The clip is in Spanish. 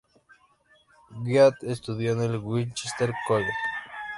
Wyatt estudió en el Winchester College.